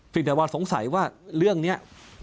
ศิษยาวาลสงสัยว่าเรื่องเนี่ย